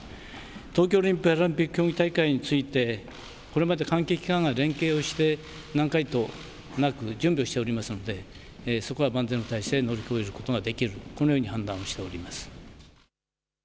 東京オリンピック・パラリンピック競技大会についてこれまで関係機関が連携をして何回となく準備をしておりますのでそこは万全の体制で乗り越えることができる、そのように判断をしております。